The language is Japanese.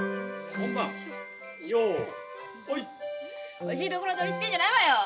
おいしいところ取りしてんじゃないわよ！